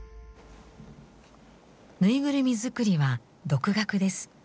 ぬいぐるみ作りは独学です。